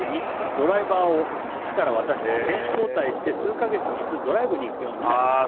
「ドライバーを父から私に選手交代して」「数カ月に一度ドライブに行くようになりました」